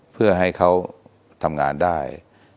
เพื่อให้เขาทำงานได้